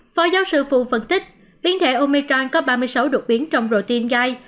phó giáo sư phu phân tích biến thể omicron có ba mươi sáu đột biến trong routine gai